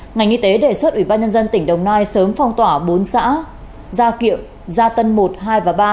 ngành y tế đề xuất ủy ban nhân dân tỉnh đồng nai sớm phong tỏa bốn xã gia kiệm gia tân một hai và ba